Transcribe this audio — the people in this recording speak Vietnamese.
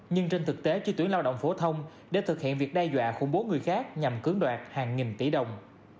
nhưng trên thực tế chi tuyển lao động phổ thông để thực hiện việc đe dọa khủng bố người khác nhằm cưỡng đoạt hàng nghìn tỷ đồng